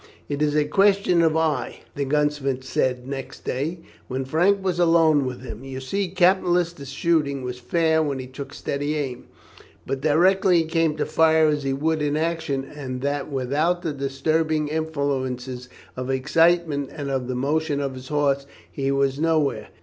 "It is a question of eye," the gunsmith said next day, when Frank was alone with him. "You see Captain Lister's shooting was fair when he took a steady aim, but directly he came to fire as he would in action, and that without the disturbing influences of excitement and of the motion of his horse, he was nowhere.